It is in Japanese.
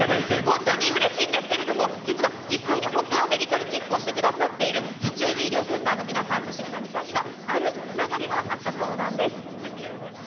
本当にうれしいんですけれども、実は実際に、本当はメディカルチェックをしてくださっている、八王子医療センターの皆さん、そしてヒロミさんには、あるつながりがあったそうなんです。